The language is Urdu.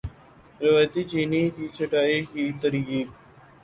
روایتی چینی کی چھٹائی کی ترتیب